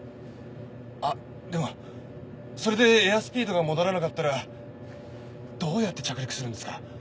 あっでもそれでエアスピードが戻らなかったらどうやって着陸するんですか？